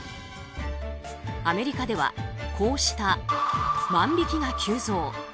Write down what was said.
アメリカではこうした万引きが急増。